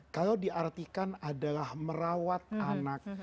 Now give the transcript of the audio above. kalau diartikan adalah merawat anak